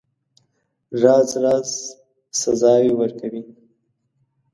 راز راز سزاوي ورکوي.